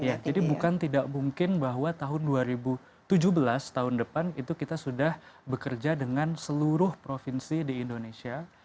iya jadi bukan tidak mungkin bahwa tahun dua ribu tujuh belas tahun depan itu kita sudah bekerja dengan seluruh provinsi di indonesia